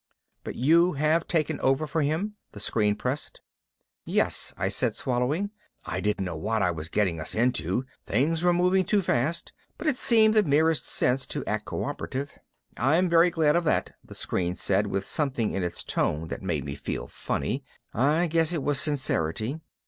"But you have taken over for him?" the screen pressed. "Yes," I said, swallowing. I didn't know what I was getting us into, things were moving too fast, but it seemed the merest sense to act cooperative. "I'm very glad of that," the screen said with something in its tone that made me feel funny I guess it was sincerity.